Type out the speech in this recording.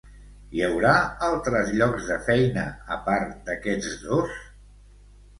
Hi haurà altres llocs de feina, a part d'aquests dos?